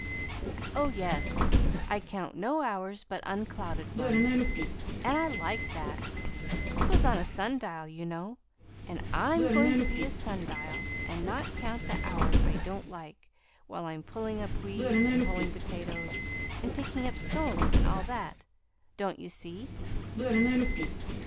"Oh, yes. 'I count no hours but unclouded ones' and I liked that. 'T was on a sundial, you know; and I'M going to be a sundial, and not count, the hours I don't like while I'm pulling up weeds, and hoeing potatoes, and picking up stones, and all that. Don't you see?"